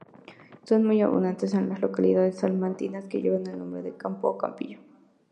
Son muy abundantes las localidades salmantinas que llevan el nombre de Campo o Campillo.